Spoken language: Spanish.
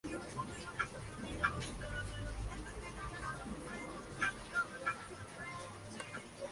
Ya que, estaba conformado por jugadores de las divisiones menores.